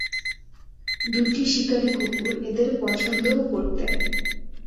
দুটি শিকারী কুকুর, এদের পছন্দও করতেন।